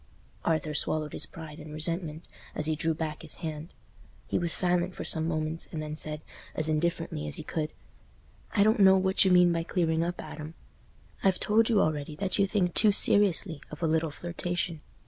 Arthur swallowed his pride and resentment as he drew back his hand. He was silent for some moments, and then said, as indifferently as he could, "I don't know what you mean by clearing up, Adam. I've told you already that you think too seriously of a little flirtation.